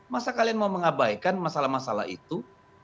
masa kalian mau mengabaikan masalah masalah itu